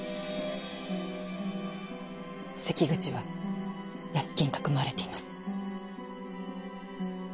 関口は屋敷にかくまわれています。